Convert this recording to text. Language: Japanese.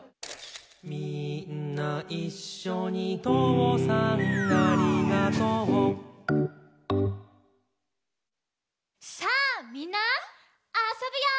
「みーんないっしょにとうさんありがとう」さあみんなあそぶよ！